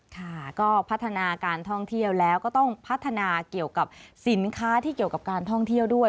ค่ะก็พัฒนาการท่องเที่ยวแล้วก็ต้องพัฒนาเกี่ยวกับสินค้าที่เกี่ยวกับการท่องเที่ยวด้วย